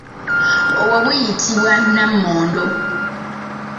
Obwo buyitibwa nammonde.